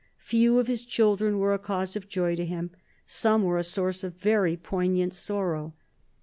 Few of his children were a cause of joy to him; some were a source of very poignant sorrow.